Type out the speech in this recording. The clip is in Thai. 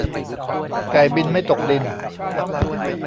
ไก่บินไม่ตกดิน